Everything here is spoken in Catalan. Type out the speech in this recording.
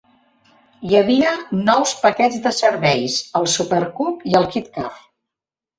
Hi havia nous paquets de serveis, el Super Coupe i el Kit Car.